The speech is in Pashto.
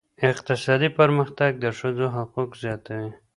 اقتصادي پرمختګ د ښځو حقوق زیاتوي.